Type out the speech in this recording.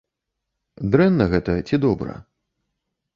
Дрэнна гэта ці добра?